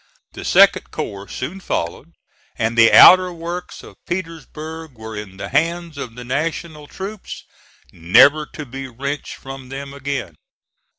The second corps soon followed; and the outer works of Petersburg were in the hands of the National troops, never to be wrenched from them again.